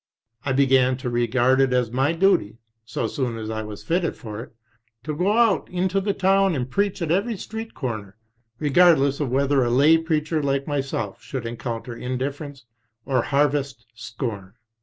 I began to regard it as my duty, so soon as I was fitted for it, to go out into the town and preach at every street comer, regardless of whether a lay preacher, like myself, should encounter indif ference or harvest scorn.